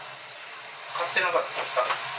買ってなかった？